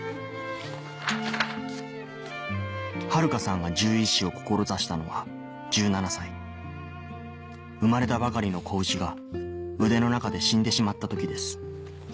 春花さんが獣医師を志したのは１７歳生まれたばかりの子牛が腕の中で死んでしまった時です